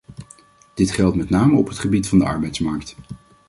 Dit geldt met name op het gebied van de arbeidsmarkt.